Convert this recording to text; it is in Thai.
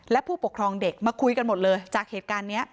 และผู้ปกครองเด็กมาคุยกันหมดเลยจากเหตุการณ์นี้